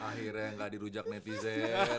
akhirnya gak dirujak netizen